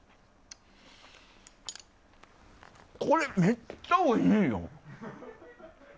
これ、めっちゃおいしいよ！